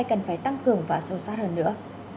cần phải tăng cường và sâu sát hơn nữa